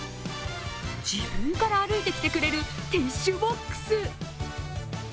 自分から歩いてきてくれるティッシュボックス。